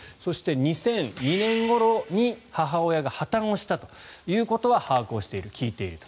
２００２年ごろに母親が破たんをしたということは把握をしている、聞いている。